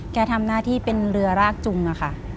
แกทำหน้าที่เป็นเรือรากจุงอะค่ะ